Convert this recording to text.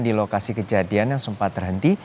di lokasi kejadian yang sempat terhenti